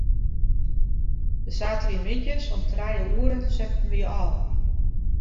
De saterdeitemiddeis om trije oere setten wy ôf.